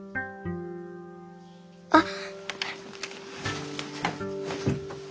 あっ。